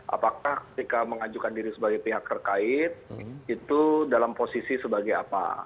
apakah ketika mengajukan diri sebagai pihak terkait itu dalam posisi sebagai apa